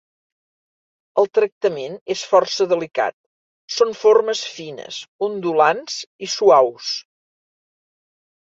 El tractament és força delicat, són formes fines, ondulants i suaus.